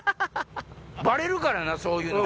バレるからなそういうの。